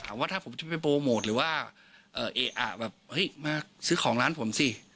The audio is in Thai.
ว่าถ้าผมจะไปโปรโมทหรือว่าเอ๊ะอ่ะแบบเฮ้ยมาซื้อของร้านผมสิ